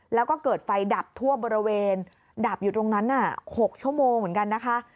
แล้วก็เกิดไฟดับทั่วบริเวณดับอยู่ตรงนั้น๖ชั่วโมงเหมือนกันนะคะ